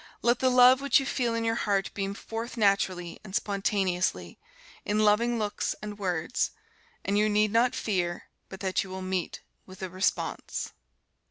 Let the love which you feel in your heart beam forth naturally and spontaneously in loving looks and words, and you need not fear but that you will meet with a response.